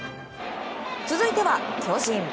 続いては、巨人。